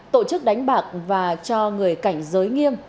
tổ chức đánh bạc và cho người cảnh giới nghiêm